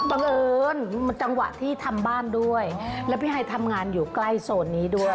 บังเอิญมันจังหวะที่ทำบ้านด้วยแล้วพี่ไฮทำงานอยู่ใกล้โซนนี้ด้วย